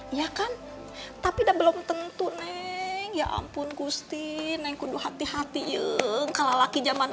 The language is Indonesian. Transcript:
iya kan tapi udah belum tentu neng ya ampun kusti enggak keding hati hati enggak laki jaman